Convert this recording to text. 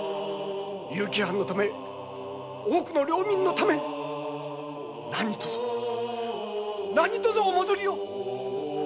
結城藩のため多くの領民のため何とぞ何とぞお戻りを。